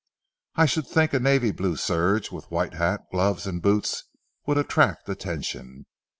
I should think a navy blue serge with white hat, gloves, and boots would attract attention.